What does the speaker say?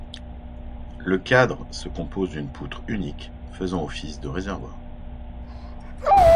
Le cadre se compose d'une poutre unique faisant office de réservoir.